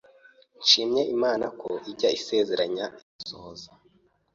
Nshimye Imana ko ijya isezeranya igasohoza,